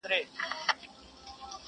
كله كله به ښكار پاته تر مابين سو!